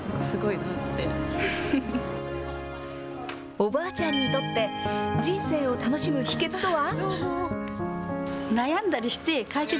おばあちゃんにとって、人生を楽しむ秘けつとは？